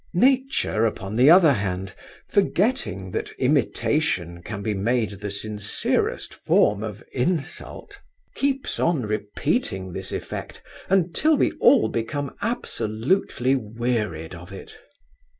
Nature, upon the other hand, forgetting that imitation can be made the sincerest form of insult, keeps on repeating this effect until we all become absolutely wearied of it.